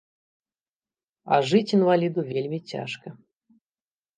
А жыць інваліду вельмі цяжка.